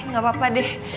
gak apa apa deh